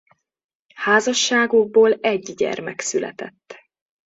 Házasságukból egy gyermek született.